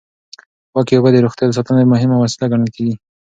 پاکې اوبه د روغتیا د ساتنې مهمه وسیله ګڼل کېږي.